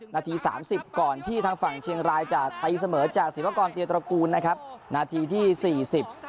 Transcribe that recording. นาทีสามสิบก่อนที่ทางฝั่งเชียงรายจะตีเสมอจากศิวากรเตียตระกูลนะครับนาทีที่สี่สิบ